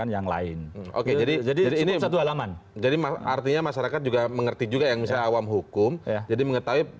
yang misalnya awam hukum jadi mengetahui